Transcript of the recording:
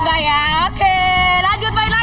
enggak ya oke lanjut main lagi